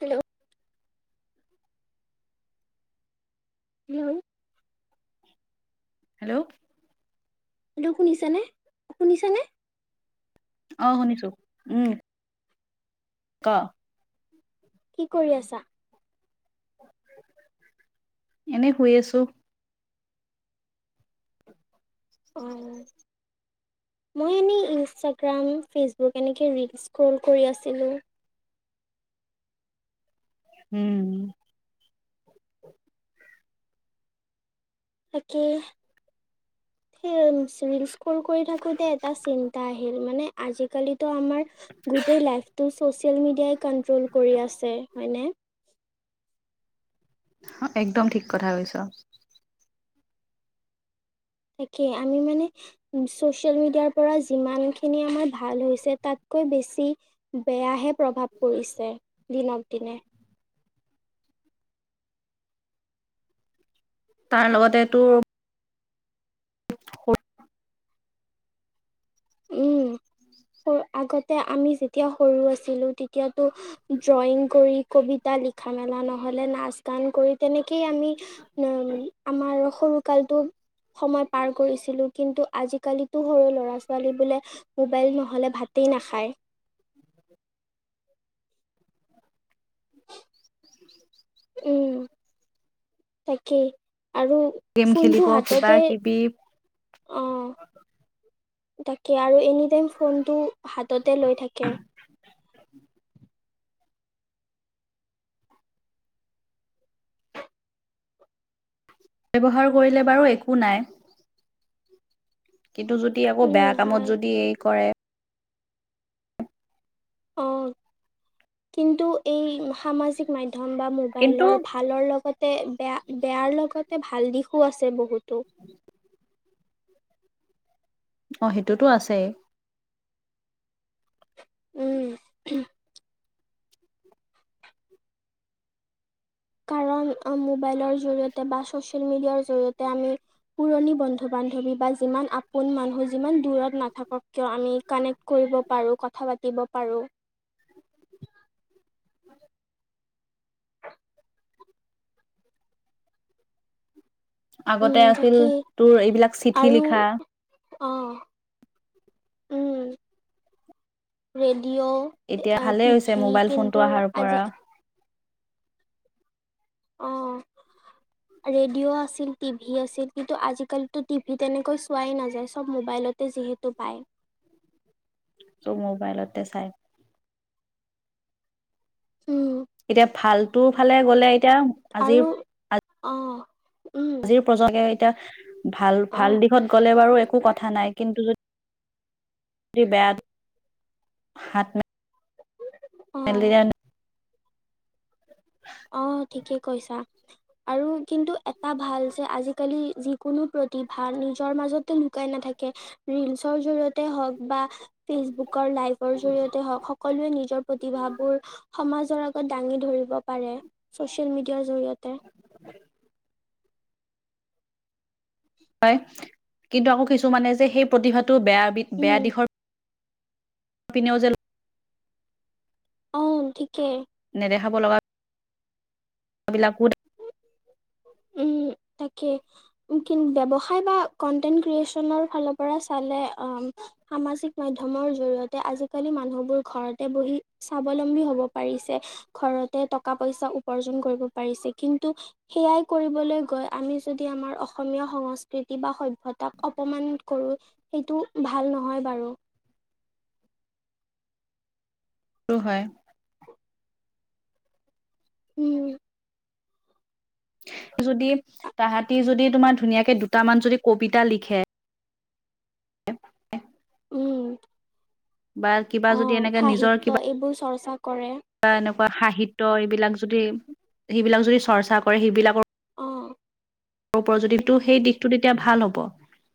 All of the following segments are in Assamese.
হেল্ল'। হন হেল্ল' হেল্ল' শুনিছানে শুনিছানে অ শুনিছো উম ক কি কৰি আছা এনে শুই আছো অহ ', মই এনেই ইনষ্টাগ্ৰাম ফেচবুক এনেকে স্ক্ৰল কৰি আছিলোঁ উম অকে স্ক্ৰল কৰি থাকোতে এটা চিন্তা আহিল মানে আজিকালিতো আমাৰ গোট লাইফটো চচিয়েয় মিডিয়াই কন্ট্ৰল কৰি আছে হয়নে একদম ঠিক কথা কৈছ তাকে আমি মানে ছচিয়েল মিডিয়াৰ পৰা যিমান খিনি আমাৰ ভাল হৈছে তাত কৈ বেছি বেয়াহে প্ৰভাৱ পৰিছে দিনক দিনে তাৰ লগতেটো স উম, আগতে আমি যেতিয়া সৰু আছিলো তেতিয়াতো ড্ৰয়িং কৰি কবিতা লিখা মেলা নহ'লে নাচ গান কৰি তেনেকেই আমি আমাৰ সৰুকালটো সময় পাৰ কৰিছিলো কিন্তু আজিকালিতো সৰু ল'ৰা ছোৱালী ছোৱালী বোলে মোবাইল নহলে ভাতেই নাখায় উম তাকেই আৰু গেম ফোনটো খেলিব কিবা হাততে কিবি অ তাকে আৰু এনি টাইম ফোনটো হাততে লৈ থাকে ব্যৱহাৰ কৰিলে বাৰু একো নাই কিন্তু যদি আকৌ উম বেয়া কামত হয় যদি এই কৰে অ কিন্তু এই সামাজিক মাধ্যম মাধ্যম বা কিন্তু মোবাইলৰ ভালৰ লগতে বেয়া বেয়াৰ লগতে ভাল দিশো আছে বহুত [unintelligible] অ সেইটোতো আছেই উম কাৰণ মোবাইলৰ জৰিয়তে বা ছচিয়েল মিডিয়াৰ জৰিয়তে আমি পুৰণি বন্ধু বান্ধৱী বা যিমান আপোন মানুহ যিমান দূৰত নাথাকক কিয় আমি কানেক্ট কৰি কব পাৰো কথা পাতিব পাৰো হয় উম আগতে আছিল তাকেই তোৰ এইবিলাক চিঠি লিখা অ উম ডিডিঅ' এতিয়া ভালে হৈছে টিভি মোবাইল ফোনটো কিন্তু অহাৰ আজি পৰা অ ৰেডিঅ' আছিল টিভি আছিল কিন্তু আজিকালি টিভি তেনেকৈ চোৱাই নাযায় চব মোবাইল যিহেতু পায় ত' মোবাইলতে চাই। উম এতিয়া ভাল টো ফালে গ'লে এতিয়া আজিৰ আৰু অ উম আজিৰ প্ৰজকে এতিয়া ভাল অ ভাল দিশত গ'লে বাৰু একো কথা নাই কিন্তু যদি ম বেয়া হাত ন অ অ ঠিকে কৈছা আৰু কিন্তু এটা ভাল যে আজিকালি। যিকোনো প্ৰতিভা নিজৰ মাজতে লুকাই নাথাকে। ৰিলচৰ জৰি়য়তে হওক বা ফেচবুকৰ লাইভৰ জৰিয়তে হওঁক সকলোৱে নিজৰ প্ৰতিভাবোৰ সমাজ নিজৰ আগত দাঙি ধৰিব। পাৰে চচিয়েল মিডিয়াৰ জৰিয়তে। হয় কিন্তু আকৌ কিছুমানে যে সেই প্ৰতিভাটো বেয়া উম বেয়া দিশৰ নিউজেল অ' ঠিকে। নেদেখাব লগা বিলাকো। উম'। উম, তাকে ব্যৱসায় বা কনট্ৰেন ক্ৰিয়েচনৰ ফালৰ পৰা চালে অ'। সামাজিক মাধ্যমৰ জৰিয়তে আজিকালি মানুহবোৰ ঘৰতে বহি স্বাৱলম্বী হ'ব পাৰে। চাব পাৰিছে, ঘৰতে টকা, পইচা উপাৰ্জন কৰিব পাৰিছে। কিন্তু সেয়াই কৰিবলৈ গৈ আমি যদি আমাৰ অসমীয়া সংস্কৃতি বা সভ্যতাক অপমান কৰো সেইটো ভাল নহয় বাৰু সিটো হয়। উম। যদি তাহাঁতি যদি তোমাৰ ধুনীয়াকে দুটামান যদি কবিতা লিখে। উ-উ। উম। কিবা অ' যদি সাহিত্য এইবোৰ চৰ্চা কৰে। বা এনেকুৱা সাহিত্য এইবিলাক যদি সেইবিলাক যদি চৰ্চা কৰে সেইবিলাকৰ অ ও যদি দিশটো সেই দিশটো তেতিয়া ভাল হ'ব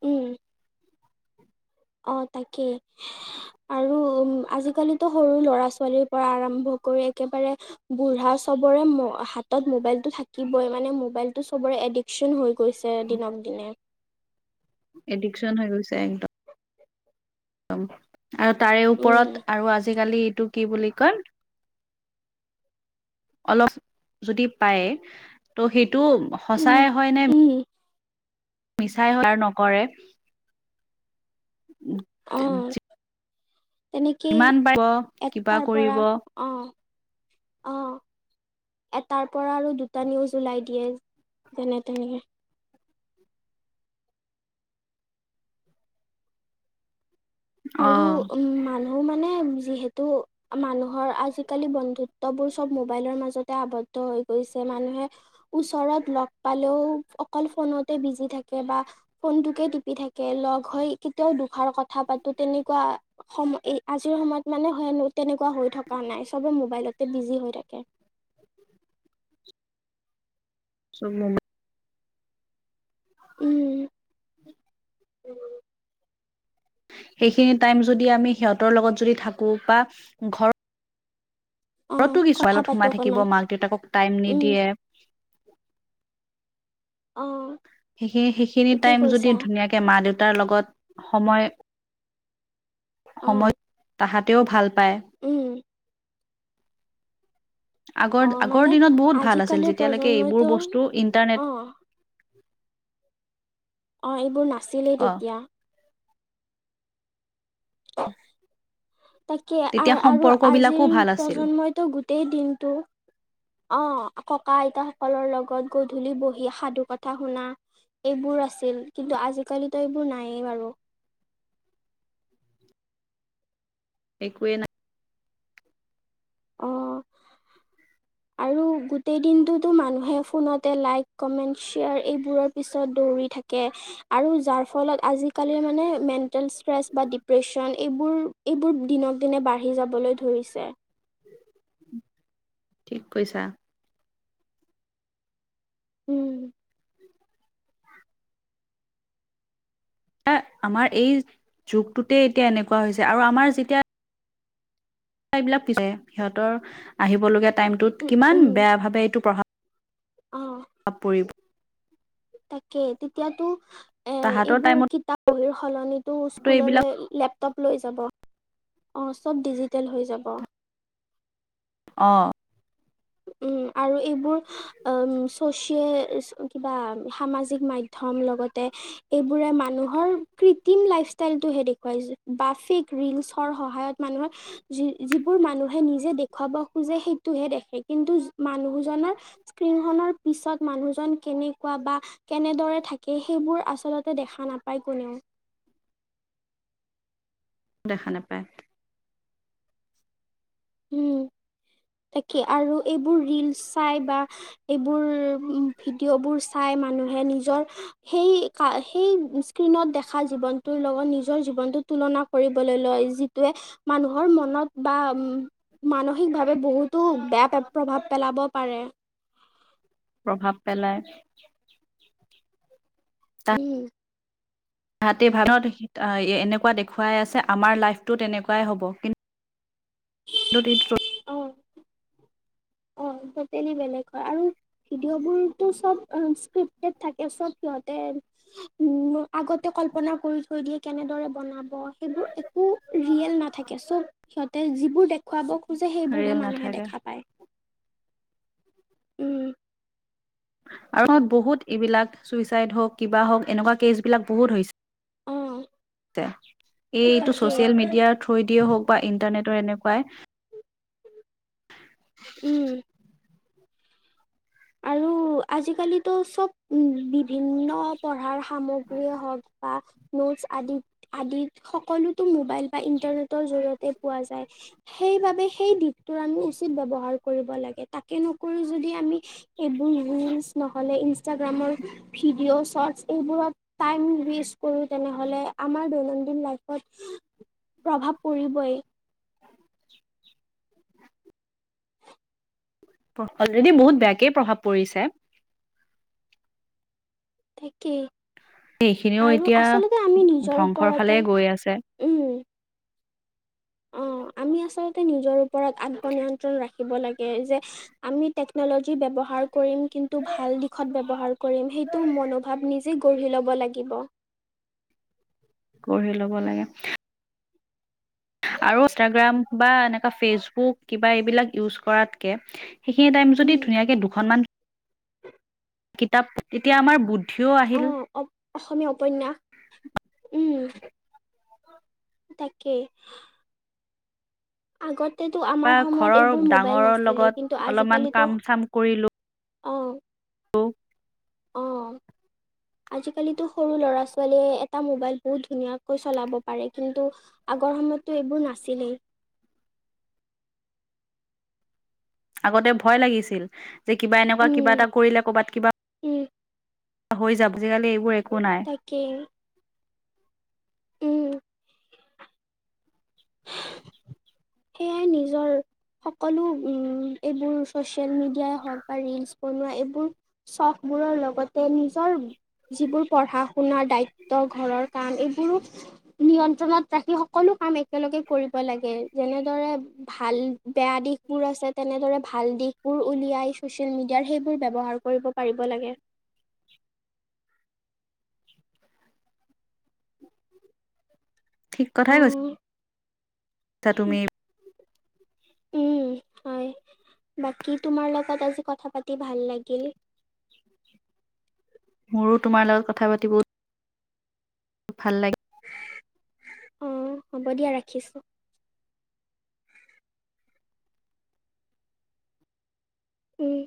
উম অ তাকেই আৰু উ আজিকালিতো সৰু ল'ৰা ছোৱালীৰ পৰা আৰম্ভ একেবাৰে বুঢ়া চবৰে হাতত মোবাইলটো থাকিবই মানে মোবাইলটো চবৰে এডিকশ্যন হৈ গৈছে দিনক দিনে। এডিকশচন হৈ গৈছে একদম। আৰু তাৰে ওপৰত উম আৰু আজিকালি এইটো কি বুলি কয় অলপ যদি পায় ত' সেইটো সচাই উম হয় নে [unintelligible] মিছাই সাৰ নকৰে অ তেনেকেই পাৰিব কিবা এটাৰ পৰা কৰিব আহ আহ। এটাৰ পৰা আৰু দুটা নিউজ ওলাই দিয়ে যেনে তেনেকে। আৰু উম মানুহ মানুহ মানে যিহেতু মানুহৰ আজিকালি বন্ধুত্ববোৰ চব মোবাইলৰ মাজতে আৱদ্ধ। হৈ গৈছে মানুহে ওচৰত লগ পালেও অকল ফোনতে বিজি থাকে বা ফোনটোকে টিপি থাকে লগ হৈ কেতিয়াও দুখৰ কথা পাতো তেনেকুৱা সময় আজিৰ সময়ত মানে সে তেনেকুৱা হৈ থকা নাই চবে মোবাইলতে বিজি হৈ থাকে। [unintelligible] [unintelligible] উম সেইখিনি টাইম যদি আমি সিহঁতৰ লগত যদি থাকো বা ঘৰ অ ঘৰতো কি কথা ছোৱালত পাতো সোমাই থাকিব। অকণমান মাক দেউতাকক টাইম উম নিদিয়ে। অ' সে সেই সেইখিনি ঠিকেই টাইম যদি কৈছা ধুনীয়াকে মা দেউতাৰ লগত সময় অ সময় তাহা তেওঁ ভাল পায়। উম অ আগৰ আগৰ মানে দিনত বহুত ভাল আছিল। আজিকালিৰ যেতিয়ালৈকে এইবোৰ প্ৰজন্মইতো বস্তু অ ইন্টাৰনেট অ', এইবোৰ নাছিলেই অ তেতিয়া। [inaudible] তাকে তেতিয়া আৰু আৰু সম্পৰ্ক বিলাকো আজিৰ ভাল আছিল প্ৰজন্মইতো গোটেই দিনটো অ' ককা আইতা সকলৰ লগত গধূলি বহি সাধু কথা শুনা এইবোৰ আছিল। কিন্তু আজিকালিতো এইবোৰ নায়েই বাৰু একোৱেই নাই। অ' আৰু গোটেই দিনটোতো মানুহে ফোনতে লাইক কমেন্ট শ্বেয়াৰ এইবোৰৰ পিছত দৌৰি থাকে। [unintelligible] ফলতজাল মান মেল [unintelligible] ডিপ্ৰ বোৰ দিনক দিনে বাঢ়ি যাবলৈ ধৰিছে। ঠিক কৈছা। উম। এয়ে আমাৰ এই যুগটোতে এতিয়া এনেকুৱা হৈছে আৰু আমাৰ যেতিয়া এইবিলাক সিহঁতৰ আহিব লগগীয়া টাইমতত উম উম কিমান বেয়া ভাৱে এইটো পঢা অ পাপ পৰিব তাকে, তেতিয়াটো তাহাঁতৰ এইবোৰ টাইমতো কিতাপ বহী সলনি এইবিলাক স্কুললৈ লেপ [unintelligible] লৈ যাব অ চব ডিজিটেল হৈ যাব। অ, উম আৰু এইবোৰ উ চচিয়েল কিবা সামাজিক মাধয় ধ্যম লগতে এইবোৰে মানুহৰ কৃত্ৰিম লাইফ ষ্টাইলটো হে দেখুৱাই বা ফেক ৰিলচৰ সহায়ত মানুহৰ যি যিবোৰ মানুহে নিজে দেখুৱাব খোজে সেইটোহে দেখে। কিন্তু মানুহজনৰ স্ক্ৰীনখনৰ পিছত মানুহজন কেনেকুৱা বা কেনেদৰে থাকে, সেইবোৰ আচলতে দেখা নাপায় কোনেও। দেখা নেপায়। উম। তাকে আৰু এইবোৰ ৰিলচ চাই বা এইবোৰ ভিডিঅ' বোৰ চাই মানুহে নিজৰ সেই কা সেই স্ক্ৰীণত দেখা জীৱনটোৰ লগত নিজৰ জীৱনটোত তুলনা কৰিবলৈ লয় যিটোৱে মানুহৰ মনত বা উম, মানসিক ভাৱ এ বহুতো বেয়া প্ৰভাৱ পেলাব পাৰে। প্ৰভাৱ পেলায়। উম, তাহাতে [unintelligible] এনেকুৱা দেখুৱাই আছে আমাৰ লাইফটো তেনেকুৱাই হ'ব কিন [inaudible] [unintelligible] অ', অ, টটেলি বেলেগ হয় আৰু ভিডিঅ বোৰতো চব অহ ইস্কৃপ্তেত থাকে চব সিহতে উম, আগতে কল্পনা কৰি থৈ দিয়ে কেনেদৰে বনাব সেইবোৰ একো ৰিয়েল নাথাকে চব সিহঁতে যিবোৰ দেখুৱাব খোজে সেইবোৰহে ৰিয়েল মানুহে নাথাকে দেখা পায়। উম [unintelligible] বহুত এইবিলাক চুইচাইড হওঁক কিবা হওঁক এনেকুৱা কেচবিলাক বহুত হৈছে। অ', তে এই -এইটো তাকেই ছচিয়েল মিডিয়াৰ থ্ৰই দিয়ে হওক বা ইণ্টাৰনেটৰ এনেকুৱাই উম, আৰু আজিকালিতো চব উম, বিভিন্ন পঢ়াৰ সামগ্ৰীয়ে হওক বা নোটচ আদিত-আদিত সকলোত টো মোবাইল বা ইণ্টাৰনেটৰ জৰিয়ত তে পোৱা যায় সেইবাবে সেই দিশটোৰ আমি উচিত ব্যৱহাৰ কৰিব লাগে তাকে নকৰি যদ [unintelligible] ইনষ্টাগ্ৰামৰ ভিডিঅ' শ্বটছ এইবোৰত টাইম ৱেষ্ট কৰোঁ তেনেহ'লে আমাৰ দৈনন্দ লাইভত প্ৰভাৱ পৰিবই [inaudible] অলৰেডি বহুত বেয়াকেই প্ৰভাৱ পৰিছে। তাকেই। সেইখিনিও আৰু এতিয়া আচলতে আমি নিজৰ ধ্বংসৰ ফালে ওপৰতে গৈ আছে উম অ'। আমি আচল্ততে নিজৰ ওপৰত আত্মনিয়ন্ত্ৰণ ৰাখিব লাগে যে আমি টেকন'লজি ব্যৱহাৰ কৰিম কিন্তু ভাল দিশত ব্যৱহাৰ কৰিম সেইটো মনোভাৱ নিজ গঢ়ি ল'ব লাগিব। গঢ়ি ল'ব লাগে। আৰু ইনষ্টাগ্ৰাম বা এনেকুৱা ফেচবুক কিবা এইবিলাক ইউজ কৰাতকে সেইখিনি টাইম যদি উম ধুনীয়াকৈ দুখনমান কিতাপ তেতিয়া আমাৰ বুদ্ধিও অ আহিল। অসমীয়া উপন্যাস উম। তাকেই। আগতেতো বা আমাৰ সময়ত ঘৰৰ এইবোৰ মোবাইল ডাঙৰৰ নাছিলে লগত কিন্তু অলপমান আজিকালিতো কাম অ'। অ'। অ'। আজিকালিতো সৰু ল'ৰা ছোৱালীয়ে এটা মোবাইল বহুত ধুনীয়াকৈ চলাব পাৰে কিন্তু আগৰ সময় টো এইবোৰ নাছিলেই। আগতে ভয় লাগিছিল যে কিবা এনেকুৱা কিবা উম এটা কৰিলে কৰ'বাত কিবা উম হৈ যাবজিকালি এইবোৰ একো নাই। তাকেই উম সেয়াই নিজৰ সকলো উ এইবোৰ চচিয়েল মিডিয়াই হওঁক বা ৰিলচ বনোৱা এইবোৰ চফ বোৰৰ লগতে নিজৰ যিবোৰ পঢ়া শুনাৰ দায়িত্ব ঘৰৰ কাম এইবোৰো নিয়ন্ত্ৰণত ৰাখি সকলো কাম একেলগে কৰিব লাগে। যেনেদৰে ভাল বেয়া দিশবোৰ আছে তেনেদৰে ভাল দিশবোৰ উলিয়াই চচিয়েল মিডিয়া সেইবোৰ ব্যৱহাৰ কৰিব পাৰিব লাগে। ঠিক কথাই কৈছ উম অহ তুমি উম হয়। বাকী তোমাৰ লগত আজি কথা পাতি ভাল লাগিল। মোৰো তোমাৰ লগত কথা পাতি ভাল লাগে অ', হ'ব দিয়া ৰাখিছো। উম।